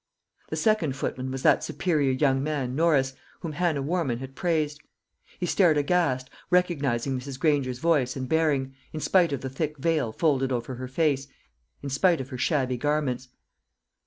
The second footman was that superior young man, Norris, whom Hannah Warman had praised. He stared aghast, recognising Mrs. Granger's voice and bearing, in spite of the thick veil folded over her face, in spite of her shabby garments.